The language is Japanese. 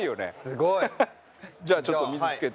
すごい！じゃあちょっと水つけて。